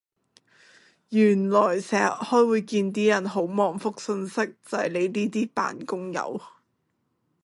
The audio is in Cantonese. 原來成日開會見啲人好忙覆訊息就係你呢啲扮工友